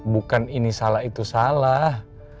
bukan ini salah itu salah